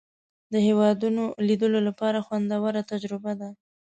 د هېوادونو لیدلو لپاره خوندوره تجربه ده.